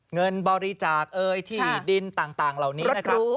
เงินบริจาคที่ดินต่างเหล่านี้นะครับ